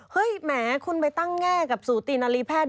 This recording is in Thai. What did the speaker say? แหมคุณไปตั้งแง่กับสูตินารีแพทย์